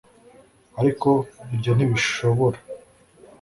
ariko ibyo ntibishobora